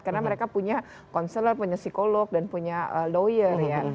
karena mereka punya konselor punya psikolog dan punya lawyer ya